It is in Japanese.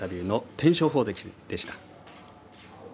天照鵬関でした。